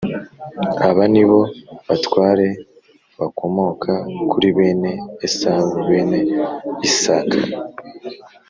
Aba Ni Bo Batware I Bakomoka Kuri Bene Esawu Bene isaac